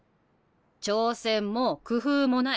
挑戦も工夫もない。